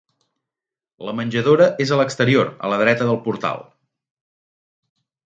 La menjadora és a l'exterior a la dreta del portal.